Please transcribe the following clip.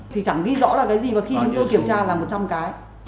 thì chẳng ghi rõ là cái gì mà khi chúng tôi kiểm tra là một trăm linh cái